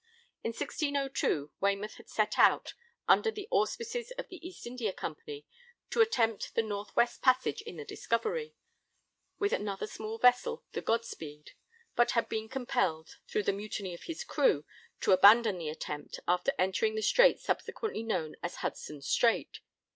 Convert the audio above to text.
In 1602 Waymouth had set out, under the auspices of the East India Company, to attempt the North West Passage in the Discovery, with another small vessel, the Godspeed, but had been compelled, through the mutiny of his crew, to abandon the attempt, after entering the strait subsequently known as Hudson's Strait.